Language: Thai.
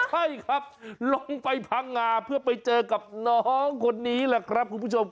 ใช่ครับลงไปพังงาเพื่อไปเจอกับน้องคนนี้แหละครับคุณผู้ชม